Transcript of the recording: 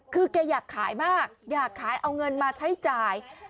คือแกอยากขายมากอยากขายเอาเงินมาใช้จ่าย